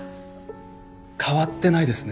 変わってないですね